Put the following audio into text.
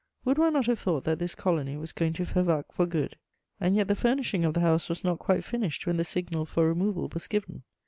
Would one not have thought that this colony was going to Fervacques for good? And yet the furnishing of the house was not quite finished when the signal for removal was given.